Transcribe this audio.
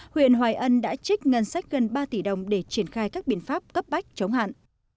huyện hoài ân đã trích ngân sách gần ba tỷ đồng để triển khai các biện pháp cấp bách chống hạn